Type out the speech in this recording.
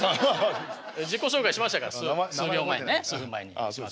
自己紹介しましたから数秒前にね数分前に。